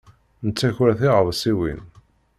Nettaker tiɣawsiwin.